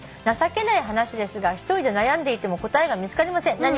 「情けない話ですが１人で悩んでいても答えが見つかりません。